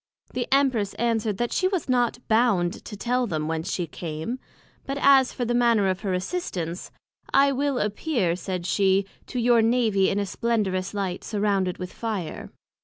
The Empress answered, That she was not bound to tell them whence she came; but as for the manner of her assistance, I will appear, said she, to your Navy in a splendorous Light, surrounded with Fire.